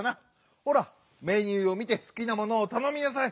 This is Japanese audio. ほらメニューを見てすきなものをたのみなさい！